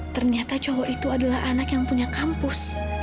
ternyata cowok itu adalah anak yang punya kampus